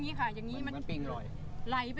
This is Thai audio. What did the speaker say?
ปฏิหารอย่างไรครับ